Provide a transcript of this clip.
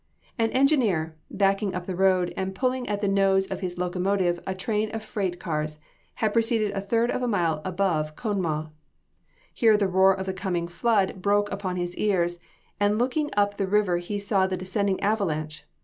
An engineer, backing up the road, and pulling at the nose of his locomotive a train of freight cars, had proceeded a third of a mile above Conemaugh. Here the roar of the coming flood broke upon his ears, and looking up the river he saw the descending avalanche.